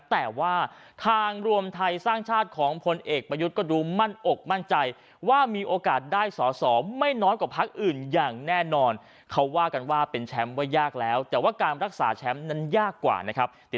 แต่ว่าทางรวมไทยสร้างชาติของพลเอกประยุทธ์ก็ดูมั่นอกมั่นใจ